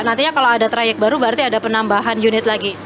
nantinya kalau ada trayek baru berarti ada penambahan unit lagi